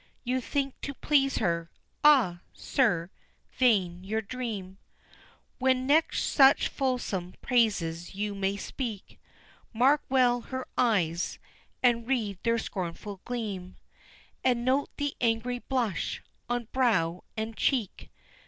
You think to please her Ah, sir, vain your dream, When next such fulsome praises you may speak, Mark well her eyes, and read their scornful gleam, And note the angry blush, on brow and cheek.